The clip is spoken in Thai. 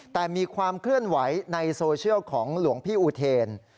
แต่มีความเคลื่อนไหวในโซเชียลของหลวงพี่อุเทน